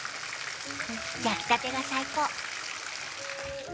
焼きたてが最高。